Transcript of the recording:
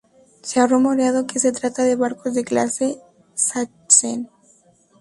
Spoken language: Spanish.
Se ha rumoreado que se trata de barcos de clase "Sachsen".